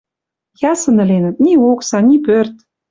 Ясын ӹленӹт: ни окса, ни пӧрт.